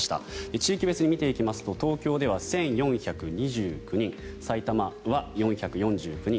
地域別に見ていくと東京では１４２９人埼玉は４４９人